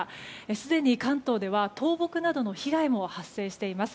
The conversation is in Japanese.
すでに関東では倒木などの被害も発生しています。